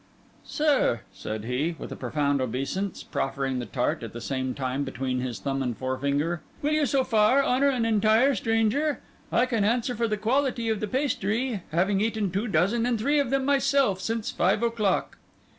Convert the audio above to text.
"Sir," said he, with a profound obeisance, proffering the tart at the same time between his thumb and forefinger, "will you so far honour an entire stranger? I can answer for the quality of the pastry, having eaten two dozen and three of them myself since five o'clock."